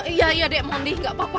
iya iya dek mundi gak apa apa